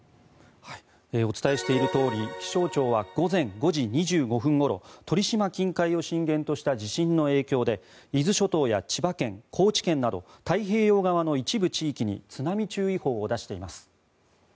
お伝えしているとおり気象庁は午前５時２５分ごろ鳥島近海を震源とした地震の影響で伊豆諸島や千葉県、高知県など太平洋側の一部地域に津波注意報を出しています。